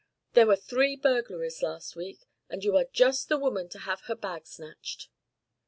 There were three burglaries last week, and you are just the woman to have her bag snatched."